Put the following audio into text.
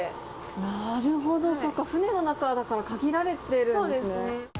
なるほど、船の中だから限られてるんですね。